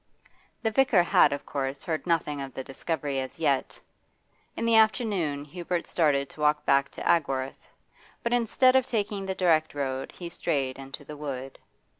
The vicar had of course heard nothing of the discovery as yet. In the afternoon Hubert started to walk back to Agworth, but instead of taking the direct road he strayed into the wood.